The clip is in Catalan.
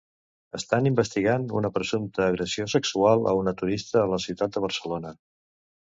Estan investigant una presumpta agressió sexual a una turista a la ciutat de Barcelona.